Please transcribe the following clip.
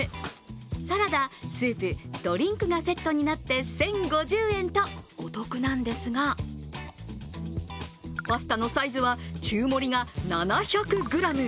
サラダ、スープ、ドリンクがセットになって１０５０円とお得なんですがパスタのサイズは中盛りが７００ｇ。